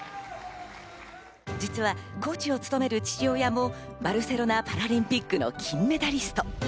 実はコーチを務める父親もバルセロナパラリンピックの金メダリスト。